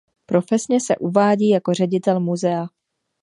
Profesně se uvádí jako ředitel muzea.